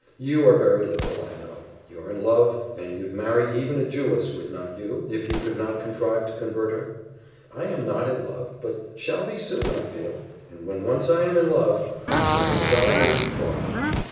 You are very liberal, I know. You're in love, and you'd marry even a Jewess, would not you, if you could not contrive to convert her? I am not in love, but shall be soon, I feel; and when once I am in love! I turn idolater, plump.